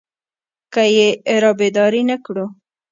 که يې رابيدارې نه کړو.